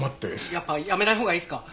やっぱ辞めないほうがいいすか？